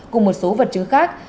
cùng một số vật chứng khác